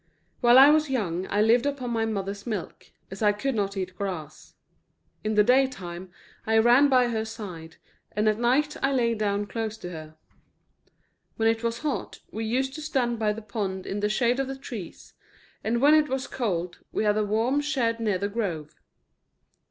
While I was young I lived upon my mother's milk, as I could not eat grass. In the daytime I ran by her side, and at night I lay down close by her. When it was hot we used to stand by the pond in the shade of the trees, and when it was cold we had a warm shed near the grove.